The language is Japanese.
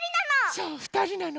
そうふたりなの。